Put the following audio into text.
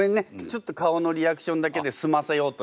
ちょっと顔のリアクションだけですませようとしちゃった。